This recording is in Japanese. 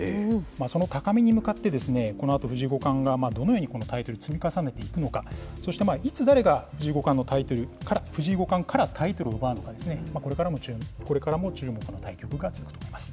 その高みに向かって、このあと藤井五冠がどのようにこのタイトルを積み重ねていくのか、そして、いつ、誰がのタイトルから藤井五冠からタイトルを奪うのか、これからも注目の対局が続きます。